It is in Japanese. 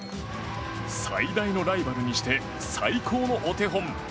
最大のライバルにして最高のお手本。